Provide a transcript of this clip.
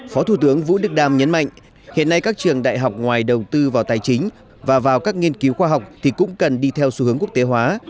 phó thủ tướng vũ đức đam nhấn mạnh hiện nay các trường đại học ngoài đầu tư vào tài chính và vào các nghiên cứu khoa học thì cũng cần đi theo xu hướng quốc tế hóa